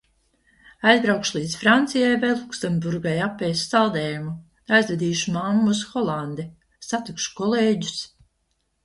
Aizbraukšu līdz Francijai vai Luksemburgai apēst saldējumu. Aizvedīšu mammu uz Holandi. Satikšu kolēģus.